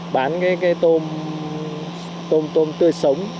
bán cái tôm tươi sống